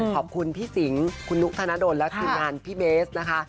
ขอบคุณพี่สิงคุณนุกธนดลและทีมงานพี่เบสนะคะ